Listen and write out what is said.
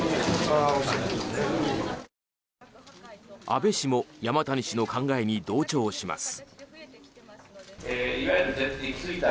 安倍氏も山谷氏の考えに同調します。